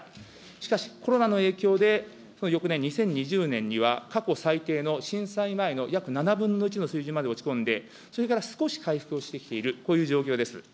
しかしコロナの影響で、その翌年２０２０年には、過去最低の震災前の約７分の１の水準まで落ち込んで、それから少し回復をしてきている、こういう状況です。